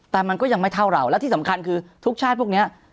แต่มันก็ยังไม่เท่าเราและที่สำคัญคือทุกชาติพวกนี้